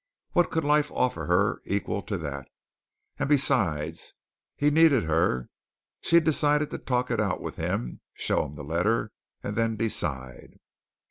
What could life offer her equal to that? And, besides, he needed her. She decided to talk it out with him, show him the letter, and then decide.